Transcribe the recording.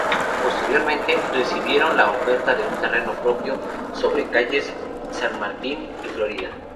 Posteriormente, recibieron la oferta de un terreno propio sobre calles San Martín y Florida.